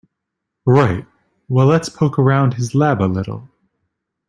Right, well let's poke around his lab a little.